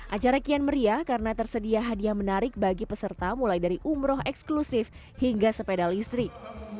acara kian meriah karena tersedia hadiah menarik bagi peserta mulai dari umroh eksklusif hingga sepeda listrik